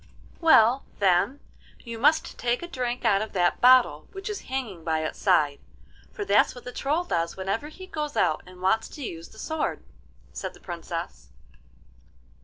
'Well, then, you must take a drink out of that bottle which is hanging by its side, for that's what the Troll does whenever he goes out and wants to use the sword,' said the Princess.